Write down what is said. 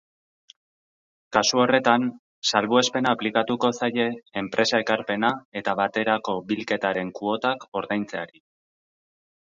Kasu horretan, salbuespena aplikatuko zaie enpresa-ekarpena eta baterako bilketaren kuotak ordaintzeari.